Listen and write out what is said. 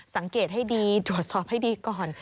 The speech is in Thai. สังเกตให้ดีตรวจสอบให้ดีก่อน